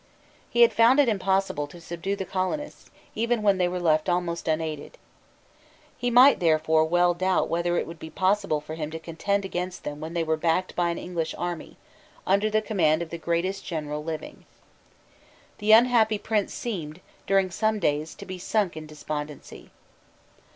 He had found it impossible to subdue the colonists, even when they were left almost unaided. He might therefore well doubt whether it would be possible for him to contend against them when they were backed by an English army, under the command of the greatest general living. The unhappy prince seemed, during some days, to be sunk in despondency.